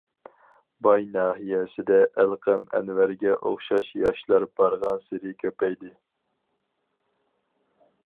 باي ناھىيەسىدە ئەلقەم ئەنۋەرگە ئوخشاش ياشلار بارغانسېرى كۆپەيدى.